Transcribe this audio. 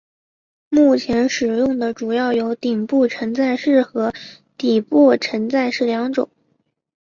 目前使用的主要有顶部承载式和底部承载式两种。